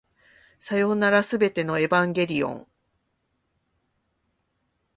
さようなら、全てのエヴァンゲリオン